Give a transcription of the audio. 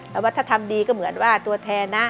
แต่ว่าถ้าทำดีก็เหมือนว่าตัวแทนนะ